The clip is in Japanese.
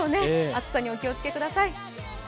暑さにお気をつけください。